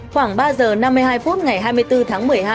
khoảng ba giờ năm mươi hai phút ngày hai mươi bốn tháng một mươi hai